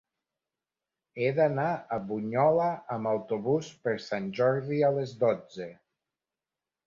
He d'anar a Bunyola amb autobús per Sant Jordi a les dotze.